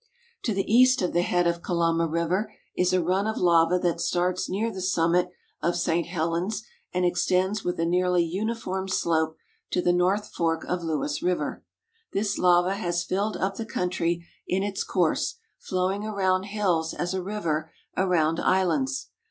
To the east of the head of Kalama river is a run of lava that starts near the summit of St. Helens and extends with a nearly uniform slope to the north fork of Lewis river. This lava has filled up the country in its course, flowing around hills as a river around islands.